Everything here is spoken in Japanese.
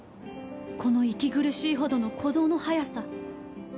この息苦しいほどの鼓動の速さ。